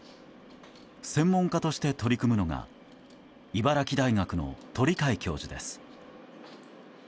専門家として取り組むのが茨城大学の鳥養教授です。